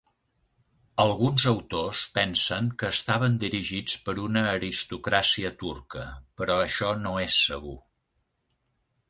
Alguns autors pensen que estaven dirigits per una aristocràcia turca, però això no és segur.